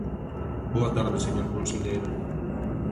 Boa tarde, señor conselleiro.